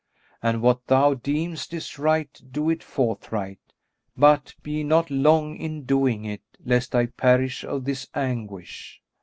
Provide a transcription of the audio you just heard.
and what thou deemest is right do it forthright: but be not long in doing it, lest I perish of this anguish."